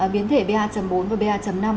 biến thể ba bốn và ba năm